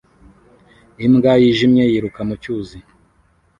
Imbwa yijimye yiruka mu cyuzi